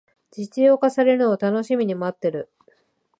実用化されるのを楽しみに待ってる